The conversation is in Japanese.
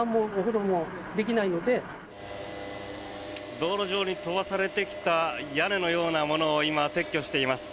道路上に飛ばされてきた屋根のようなものを今、撤去しています。